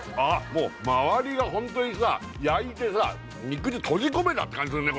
もう周りがホントにさ焼いてさ肉汁閉じ込めたって感じするね